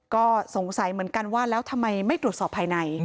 ก็สงสัยเหมือนกันว่าแล้วทำไมไม่ตรวจสอบภายใน